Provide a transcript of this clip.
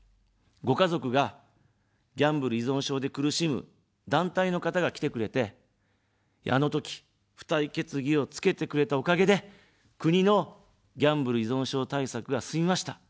ご家族がギャンブル依存症で苦しむ団体の方が来てくれて、あのとき、付帯決議をつけてくれたおかげで国のギャンブル依存症対策が進みました。